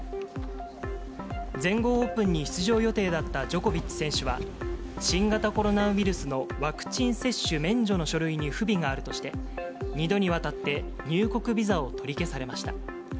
全豪オープンに出場予定だったジョコビッチ選手は、新型コロナウイルスのワクチン接種免除の書類に不備があるとして、２度にわたって入国ビザを取り消されました。